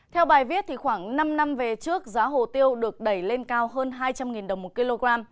theo bài viết khoảng năm năm về trước giá hồ tiêu được đẩy lên cao hơn hai trăm linh đồng một kg